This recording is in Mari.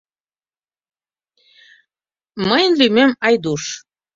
Мыйын лӱмем Айдуш.